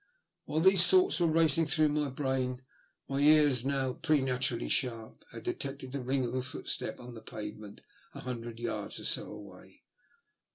While these thoughts were racing through my brain, my ears, now pretematurally sharp, had detected the ring of a footstep on the pavement a hundred yards or so away.